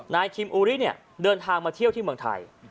คิมอูริเนี่ยเดินทางมาเที่ยวที่เมืองไทย